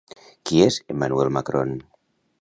Qui és Emmanuel Macron?